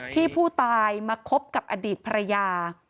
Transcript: ที่ผู้ตายมาคบกับอดีตภรรยา